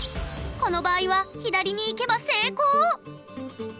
この場合は左に行けば成功！